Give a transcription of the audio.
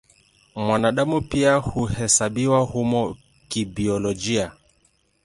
Mwanadamu pia huhesabiwa humo kibiolojia.